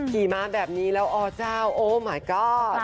กี่มาแบบนี้แล้วอ๋อจ้าวโอ้มายก๊อต